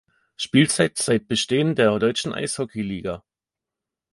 Spielzeit seit Bestehen der Deutschen Eishockey Liga.